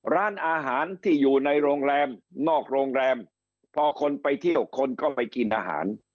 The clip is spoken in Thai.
ร้านอาหารที่อยู่ในโรงแรมนอกโรงแรมพอคนไปเที่ยวคนก็ไปกินอาหาร